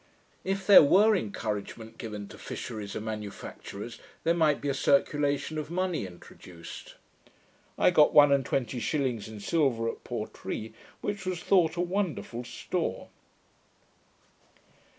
If there were encouragement given to fisheries and manufacturers, there might be a circulation of money introduced. I got one and twenty shillings in silver at Portree, which was thought a wonderful store.